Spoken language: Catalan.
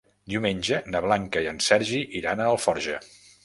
Diumenge na Blanca i en Sergi iran a Alforja.